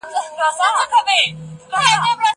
هغه څوک چي کتابونه ليکي پوهه زياتوي!؟